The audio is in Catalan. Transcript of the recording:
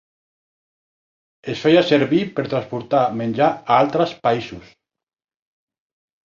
Es feia servir per transportar menjar a altres països.